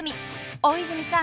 大泉さん